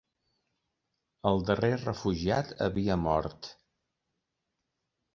El darrer refugiat havia mort.